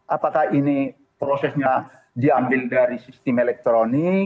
apakah ini prosesnya diambil dari sistem elektronik